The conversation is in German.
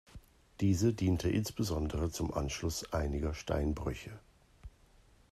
Diese diente insbesondere zum Anschluss einiger Steinbrüche.